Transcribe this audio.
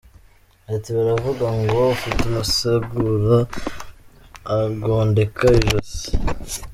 Ati “Baravuga ngo ufite umusegura agondeka ijosi.